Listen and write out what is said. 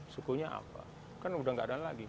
sukunya apa kan udah gak ada lagi